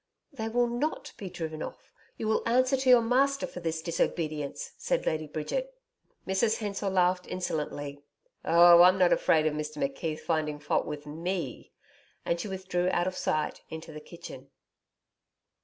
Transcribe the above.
'They will not be driven off. You will answer to your master for this disobedience!' said Lady Bridget. Mrs Hensor laughed insolently. 'Oh, I'm not afraid of Mr McKeith finding fault with ME,' and she withdrew out of sight into the kitchen.